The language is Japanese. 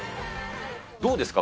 どうですか？